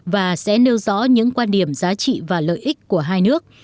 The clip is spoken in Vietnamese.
và sẽ nêu rõ những quan điểm giá trị và lợi ích của hai nước